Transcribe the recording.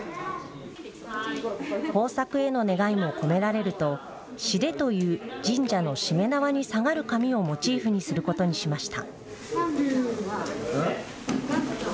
豊作への願いも込められると紙垂という神社のしめ縄に下がる紙をモチーフにすることにしました。